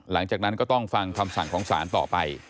หลังจากนั้นก็ต้องฟังคำสั่งของศาลต่อไป